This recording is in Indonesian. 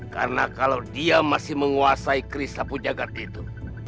karena kalau dia masih menguasai kris sapu jagad itu